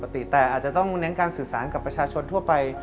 แต่อาจจะต้องเน้นการสื่อสารกับประชาชนทั่วไป